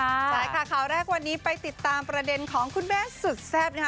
ใช่ค่ะข่าวแรกวันนี้ไปติดตามประเด็นของคุณแม่สุดแซ่บนะคะ